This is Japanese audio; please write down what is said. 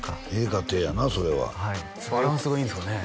家庭やなそれははいバランスがいいんですかね